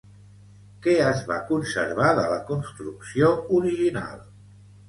Què es va conservar de la construcció original?